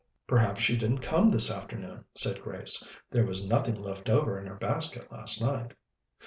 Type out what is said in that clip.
"Perhaps she didn't come this afternoon," said Grace. "There was nothing left over in her basket last night."